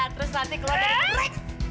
terus nanti keluar dari kompleks